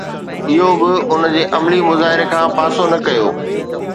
اهو به ان جي عملي مظاهري کان پاسو نه ڪيو